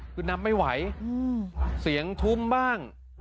คือนำไม่ไหวเสียงทุ่มบ้าง